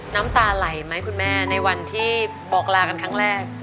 น้ำตาไหลไหมคุณแม่ในวันที่บอกลากันครั้งแรก